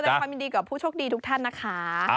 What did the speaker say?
แสดงความยินดีกับผู้โชคดีทุกท่านนะคะ